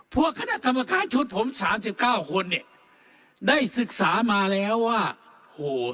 พวกคณะกรรมการชุดผมสามสิบเก้าคนเนี่ยได้ศึกษามาแล้วว่าโห